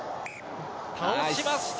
倒しました。